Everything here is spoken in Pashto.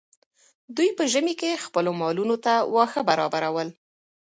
دوی په ژمي کې خپلو مالونو ته واښه برابرول.